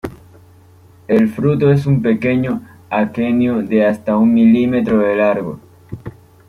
El fruto es un pequeño aquenio de hasta un milímetro de largo.